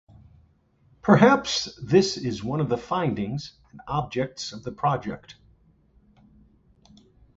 Perhaps this is one of the "findings" and objects of the project.